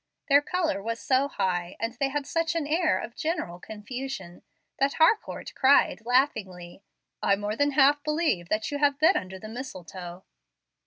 Their color was so high, and they had such an air of general confusion, that Harcourt cried, laughingly, "I more than half believe that you have been under the mistletoe."